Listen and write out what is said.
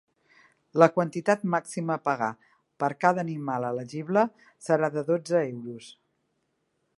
La quantitat màxima a pagar per cada animal elegible serà de dotze euros.